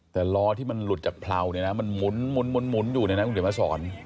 แต่ล้อที่มันหลุดจากเพราเนี่ยนะมันหมุนอยู่ในนั้นคุณเดี๋ยวมาสอน